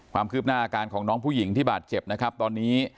ความคืบหน้าอาการของน้องผู้หญิงที่บาดเจ็บนะครับตอนนี้